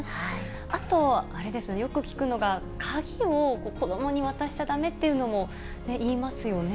あと、あれですね、よく聞くのが、鍵を子どもに渡しちゃだめっていうのも、言いますよね。